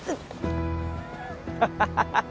ハハハハ！